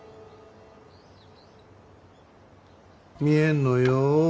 見えんのよ